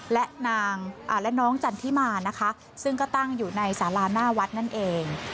และนางและน้องจันทิมานะคะซึ่งก็ตั้งอยู่ในสาราหน้าวัดนั่นเอง